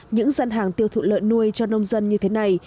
những gian hàng tiêu thụ lợn nuôi cho nông dân như thế này